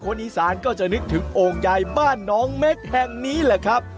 อีสานก็จะนึกถึงโอ่งยายบ้านน้องเม็กแห่งนี้แหละครับ